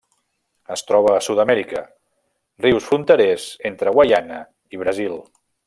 Es troba a Sud-amèrica: rius fronterers entre Guaiana i Brasil.